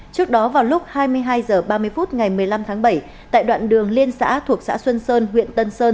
trước đó vào lúc hai mươi hai h ba mươi phút ngày một mươi năm tháng bảy tại đoạn đường liên xã thuộc xã xuân sơn huyện tân sơn